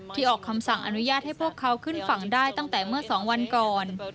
ออกคำสั่งอนุญาตให้พวกเขาขึ้นฝั่งได้ตั้งแต่เมื่อ๒วันก่อน